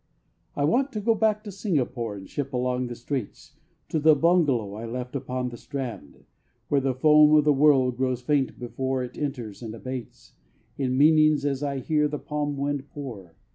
I want to go back to Singapore And ship along the Straits To the bungalow I left upon the strand. Where the foam of the world grows faint before It enters, and abates In meaning as I hear the palm wind pour.